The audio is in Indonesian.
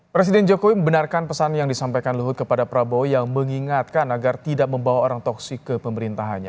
presiden jokowi membenarkan pesan yang disampaikan luhut kepada prabowo yang mengingatkan agar tidak membawa orang toksik ke pemerintahannya